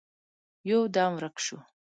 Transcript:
يودم ورک شو.